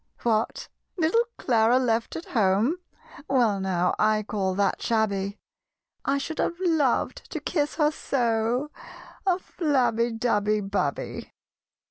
"What! little Clara left at home? Well now, I call that shabby: I should have loved to kiss her so (A flabby, dabby, babby!)